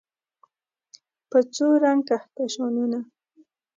په څو رنګ کهکشانونه